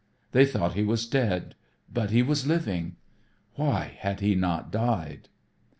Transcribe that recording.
They thought he was dead, but he was living. Why had he not died?